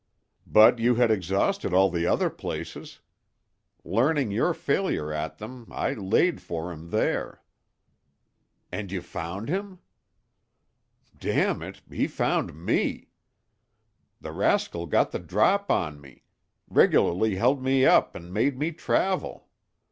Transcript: "But you had exhausted all the other places. Learning your failure at them, I 'laid for him' there." "And you found him?" "Damn it! he found me. The rascal got the drop on me—regularly held me up and made me travel.